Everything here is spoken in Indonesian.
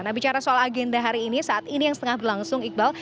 nah bicara soal agenda hari ini saat ini yang tengah berlangsung iqbal